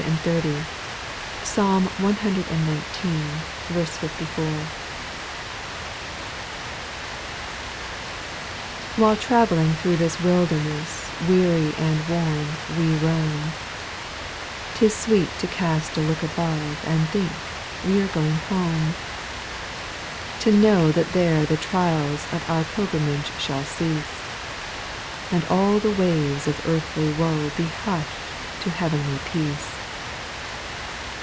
130. Pmlm cxix. 54. 1, "ITTHILE travelling through this wildcmesa T I Weary and worn wc roam, 'T is sweet to cast a look above And think we're going home: — To know that there the trials Of our pilgrimage shall cease, And all the waves of earthly woe Be hushed to heavenly peace.